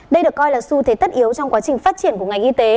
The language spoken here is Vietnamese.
đây được coi là xu thế tất yếu trong quá trình phát triển của ngành y tế